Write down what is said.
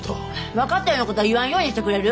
分かったようなこと言わんようにしてくれる？